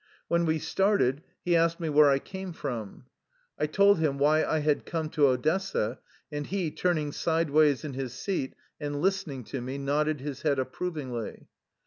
When we started, he asked me where I came from. I told him why I had come to Odessa and he, turning sideways in his seat and listening to me, nodded his head approvingly.